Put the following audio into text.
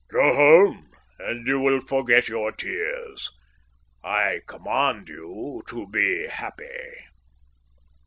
"Go home, and you will forget your tears. I command you to be happy."